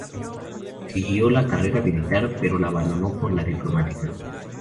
Siguió la carrera militar, pero la abandonó por la diplomática.